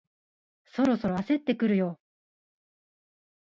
そろそろ焦ってくるよ